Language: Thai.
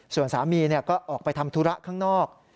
ส่วนสามีก็ออกไปทำธุระข้างนอก